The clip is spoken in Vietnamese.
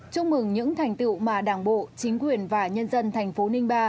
chúc mừng những thành tựu mà đảng bộ chính quyền và nhân dân thành phố ninh ba